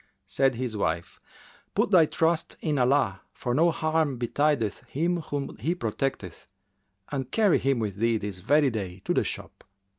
'" Said his wife, "Put thy trust in Allah, for no harm betideth him whom He protecteth, and carry him with thee this very day to the shop."